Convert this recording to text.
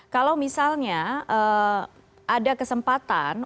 kalau misalnya ada kesempatan